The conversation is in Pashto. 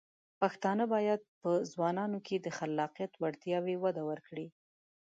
پښتانه بايد په ځوانانو کې د خلاقیت وړتیاوې وده ورکړي.